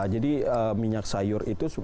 jadi minyak sayur itu